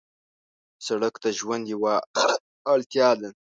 سړک د ژوند یو اړتیا ده.